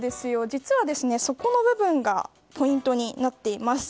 実はそこの部分がポイントになっています。